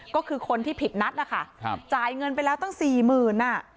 ก็คือคนที่ผิดนัดนะคะจ่ายเงินไปแล้วตั้ง๔๐๐๐๐บาท